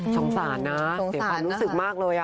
สงสารนะเสียความรู้สึกมากเลย